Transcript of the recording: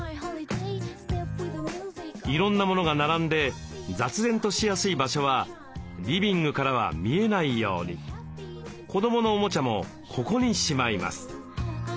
いろんなモノが並んで雑然としやすい場所はリビングからは見えないように子どものおもちゃもここにしまいます。